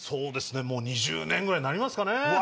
２０年ぐらいになりますかね。